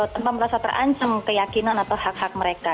tanpa merasa terancam keyakinan atau hak hak mereka